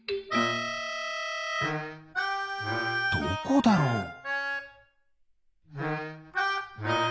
どこだろう？